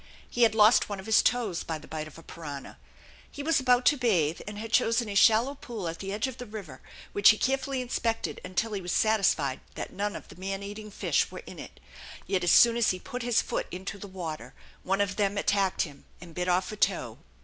He had lost one of his toes by the bite of a piranha. He was about to bathe and had chosen a shallow pool at the edge of the river, which he carefully inspected until he was satisfied that none of the man eating fish were in it; yet as soon as he put his foot into the water one of them attacked him and bit off a toe.